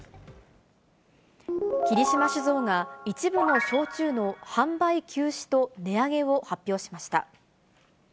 霧島酒造が、一部の焼酎の販売休止と値上げを発表しました。